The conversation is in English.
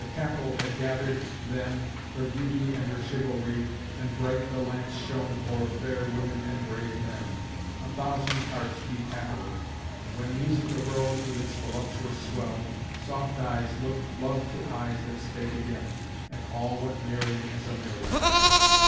capital had gathered then Her beauty and her chivalry, and bright The lamps shone o'er fair women and brave men; A thousand hearts beat happily; and when Music arose, with its voluptuous swell, Soft eyes looked love to eyes that spake again, And all went merry as a marriage bell.